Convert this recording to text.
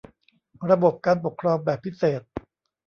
ระบบการปกครองแบบพิเศษ